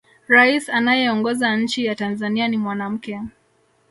rais anayeongoza nchi ya tanzania ni mwanamke